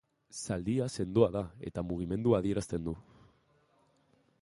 Zaldia sendoa da eta mugimendua adierazten du.